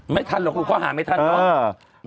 ไม่ทันหรอกลูกเขาหาไม่ทันเนอะ